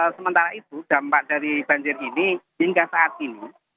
sementara itu dampak dari banjir ini hingga saat ini